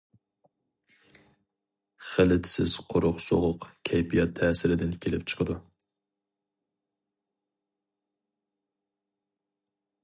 خىلىتسىز قۇرۇق سوغۇق كەيپىيات تەسىرىدىن كېلىپ چىقىدۇ.